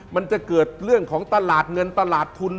มันจะเกิดเรื่องของตลาดเงินตลาดทุน